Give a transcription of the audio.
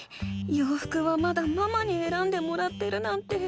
ようふくはまだママにえらんでもらってるなんて。